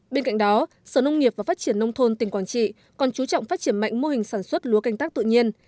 bên cạnh đó sở nông nghiệp và phát triển nông thôn tỉnh quảng trị còn chú trọng phát triển mạnh mô hình sản xuất lúa canh tác tự nhiên